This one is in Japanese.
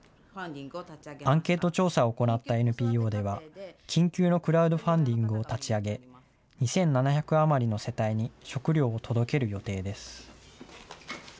アンケート調査を行ったＮＰＯでは、緊急のクラウドファンディングを立ち上げ、２７００余りの世帯に食料を届ける予定です。